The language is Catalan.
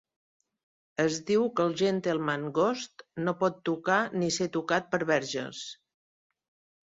Es diu que el Gentleman Ghost no pot tocar ni ser tocat per verges.